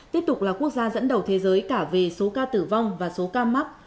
tiếp tục là quốc gia dẫn đầu thế giới cả về số ca tử vong và số ca mắc